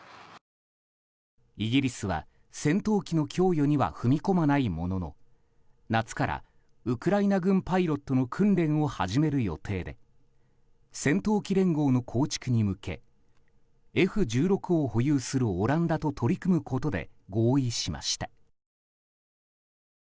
イギリスは戦闘機の供与には踏み込まないものの夏からウクライナ軍パイロットの訓練を始める予定で戦闘機連合の構築に向けＦ１６を保有するオランダと取り組むことで合意しました。